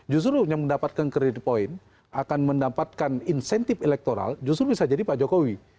justru yang mendapatkan kredit point akan mendapatkan insentif elektoral justru bisa jadi pak jokowi